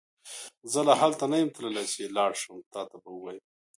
زه لا هلته نه يم تللی چې لاړشم تا ته به وويم